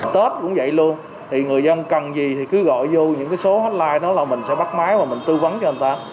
tết cũng vậy luôn thì người dân cần gì thì cứ gọi vô những số hotline đó là mình sẽ bắt máy và mình tư vấn cho anh ta